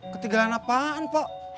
ketinggalan apaan pok